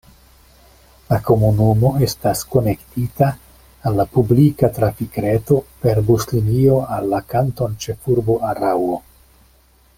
La komunumo estas konektita al la publika trafikreto per buslinio al la kantonĉefurbo Araŭo.